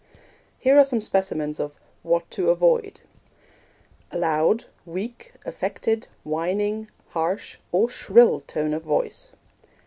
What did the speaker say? Here are some specimens of 'What to Avoid': A loud, weak, affected, whining, harsh, or shrill tone of voice.